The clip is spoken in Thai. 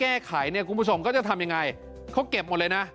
หากไม่แก้ไขกรุงผู้ชมก็จะทำอะไรไปเค้าเก็บหมดเลยนะ